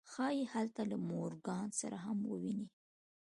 ښایي هلته له مورګان سره هم وویني